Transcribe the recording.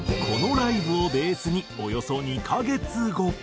このライブをベースにおよそ２カ月後。